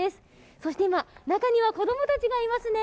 そして今、中には子供たちがいますね。